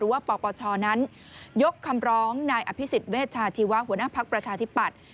ว่าปปชนั้นยกคำร้องนายอภิษฎเวชาชีวะหัวหน้าภักดิ์ประชาธิปัตย์